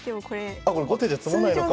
あこれ５手じゃ詰まないのか。